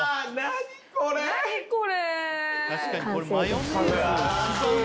何これ。